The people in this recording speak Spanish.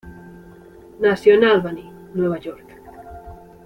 Nació en Albany, Nueva York.